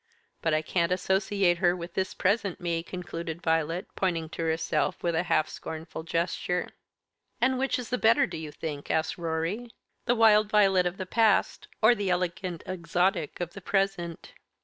But I can't associate her with this present me," concluded Violet, pointing to herself with a half scornful gesture. "And which is the better, do you think," asked Rorie, "the wild Violet of the past, or the elegant exotic of the present?"